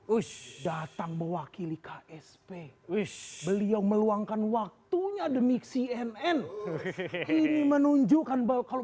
ush datang mewakili ksp wish beliau meluangkan waktunya demi cnn ini menunjukkan bahwa kalau